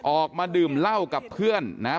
ออกมาดื่มเหล้ากับเพื่อนนะฮะ